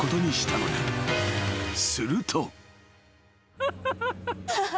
［すると］